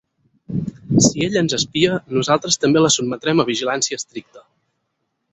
Si ella ens espia, nosaltres també la sotmetrem a vigilància estricta.